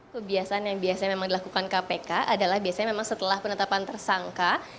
kebiasaan yang biasanya memang dilakukan kpk adalah biasanya memang setelah penetapan tersangka